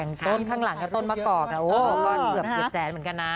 อย่างต้นข้างหลังก็ต้นมะกอกนะโอ้โหก่อนเหลือเปรียบแจนเหมือนกันนะ